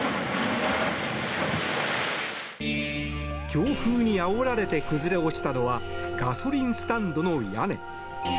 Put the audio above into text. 強風にあおられて崩れ落ちたのはガソリンスタンドの屋根。